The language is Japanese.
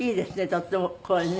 とってもこれね。